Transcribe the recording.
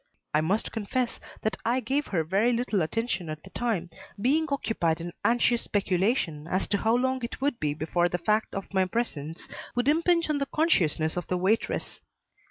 I must confess that I gave her very little attention at the time, being occupied in anxious speculation as to how long it would be before the fact of my presence would impinge on the consciousness of the waitress.